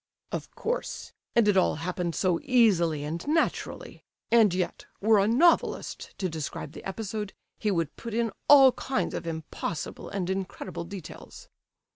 "Of course; and it all happened so easily and naturally. And yet, were a novelist to describe the episode, he would put in all kinds of impossible and incredible details."